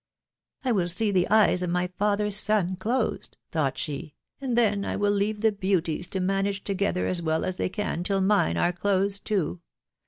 " I will see the eyes of ray. fathers son. closed," thought she, " and then I will leave the beauties* to manage together as well as they can till mine are closed to, ...